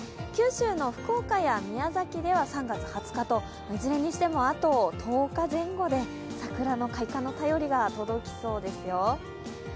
九州の福岡や宮崎では３月２０日といずれにしても、あと１０日前後で桜の開花の便りが届きそうですよ。